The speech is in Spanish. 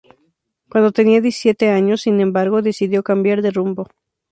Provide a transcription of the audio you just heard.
Cuando tenía diecisiete años, sin embargo, decidió cambiar de rumbo.